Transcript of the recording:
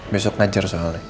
besok ngajar soalnya